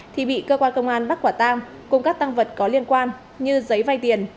thì bị cơ quan công an bắt quả tang cùng các tăng vật có liên quan như giấy vay tiền